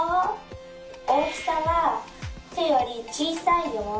大きさはてよりちいさいよ。